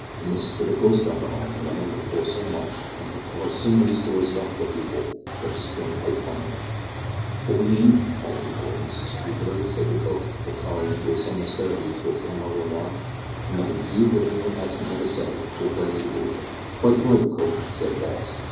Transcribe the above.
And Mrs Twitter goes about the 'Ome, and among the poor so much, and can tell her so many stories about poor people, that she's grown quite fond of her." "But we ain't all equal, Mrs Screwbury," said the cook, recurring, with some asperity, to a former remark, "an' nothink you or anybody else can ever say will bring me to believe it." "Quite right, cook," said Balls.